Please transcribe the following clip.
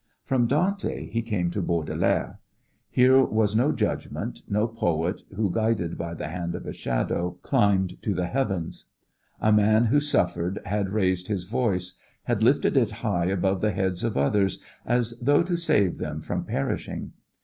From Dante he came to Baudelaire. Here was no judgment, no poet, who, guided by the hand of a shadow, climbed to the heavens. A man who suffered had raised his voice, had lifted it high above the heads of others as though to save them from perishing.